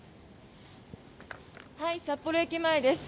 札幌駅前です。